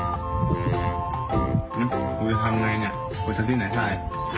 นี่ผมจะทำยังไงเนี่ยเป็นทั้งที่ไหนใส่